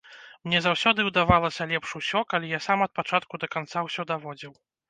Мне заўсёды ўдавалася лепш усё, калі я сам ад пачатку да канца ўсё даводзіў.